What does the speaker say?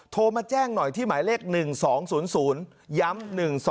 โทรมาแจ้งหน่อยที่หมายเลข๑๒๐๐ย้ำ๑๒